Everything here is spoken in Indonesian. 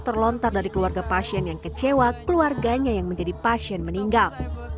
terlontar dari keluarga pasien yang kecewa keluarganya yang menjadi pasien meninggal